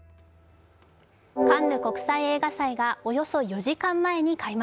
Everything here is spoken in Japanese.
カンヌ国際映画祭がおよそ４時間前に開幕。